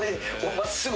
真っすぐ。